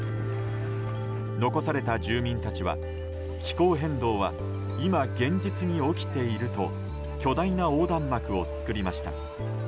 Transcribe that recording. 残された住民たちは気候変動は今、現実に起きていると巨大な横断幕を作りました。